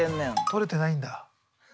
撮れてないんだ。